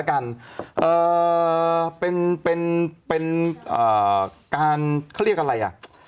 การเขาเรียกอะไร